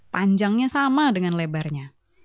panjangnya sama dengan lebarnya